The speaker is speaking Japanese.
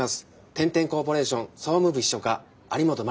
天天コーポレーション総務部秘書課有本マリナ」。